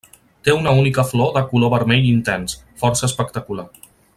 Té una única flor de color vermell intens, força espectacular.